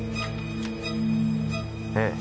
ええ。